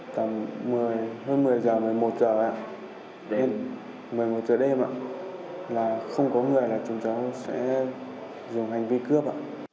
tầm hơn một mươi giờ một mươi một giờ đến một mươi một giờ đêm là không có người là chúng tôi sẽ dùng hành vi cướp